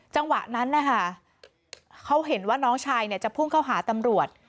จังหวะนั้นนะคะเขาเห็นว่าน้องชายจะพุ่งเข้าหาตำรวจ